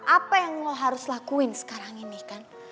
apa yang lo harus lakuin sekarang ini kan